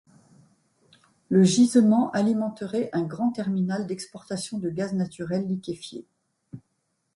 Le gisement alimenterait un grand terminal d'exportation de gaz naturel liquéfié.